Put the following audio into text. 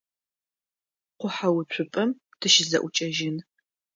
Къухьэуцупӏэм тыщызэӏукӏэжьын.